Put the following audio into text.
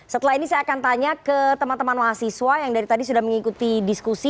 setelah ini saya akan tanya ke teman teman mahasiswa yang dari tadi sudah mengikuti diskusi